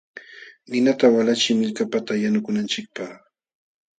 Ninata walachiy millkapata yanukunanchikpaq.